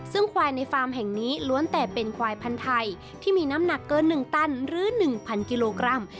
ซึ่งควายในฟาร์มแห่งนี้ล้วนแต่เป็นควายพันธุ์ไทยที่มีน้ำหนักเกิน๑ตันหรือ๑๐๐กิโลกรัม